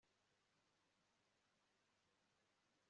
Ibintu nkibyo birashobora kubaho mugihe wihuta